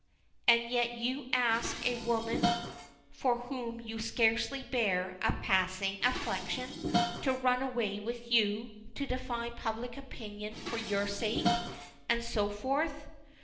And yet you ask a woman for whom you scarcely bear a passing affection to run away with you, to defy public opinion for your sake, and so forth.